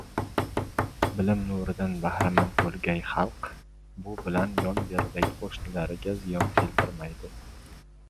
Bilim nuridan bahramand bo‘lgai xalq, bu bilan yonberidagi qo‘shnilariga ziyon keltirmaydi.